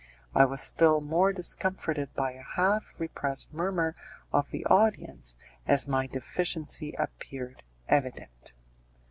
I was still more discomforted by a half repressed murmur of the audience, as my deficiency appeared evident.